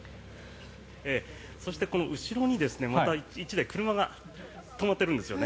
そして、この後ろにまた１台車が止まっているんですよね。